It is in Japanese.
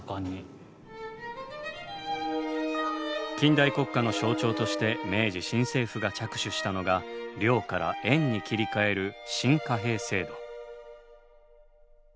近代国家の象徴として明治新政府が着手したのが「両」から「円」に切り替える新貨幣制度。